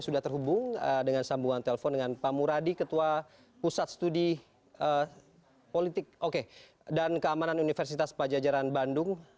sambungan telpon dengan pak muradi ketua pusat studi politik dan keamanan universitas pajajaran bandung